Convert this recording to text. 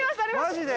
マジで！？